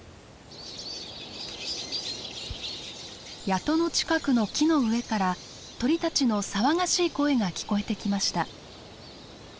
谷戸の近くの木の上から鳥たちの騒がしい声が聞こえてきました。